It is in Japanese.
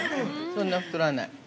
そんな太らない。